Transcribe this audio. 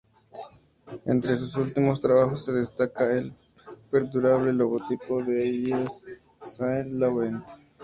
Entre sus últimos trabajos se destaca el perdurable logotipo de Yves Saint Laurent.